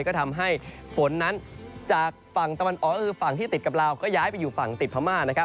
ก็ทำให้ฝนนั้นจากฝั่งที่ติดกับราวก็ย้ายไปอยู่ฝั่งติดพม่า